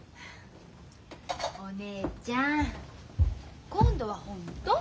お姉ちゃん今度はホント？